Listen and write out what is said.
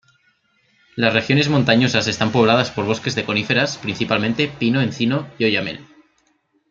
Las regiones montañosas están pobladas por bosques de coníferas, principalmente pino, encino y oyamel.